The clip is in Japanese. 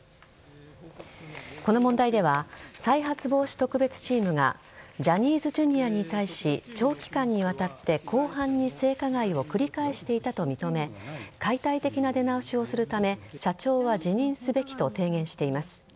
この問題では再発防止特別チームがジャニーズＪｒ．に対し長期間にわたって広範な性加害を繰り返していたと認め解体的な出直しをするため社長は辞任すべきと提言しています。